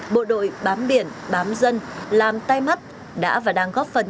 bộ đội bám biển bám dân làm tay mắt đã và đang góp phần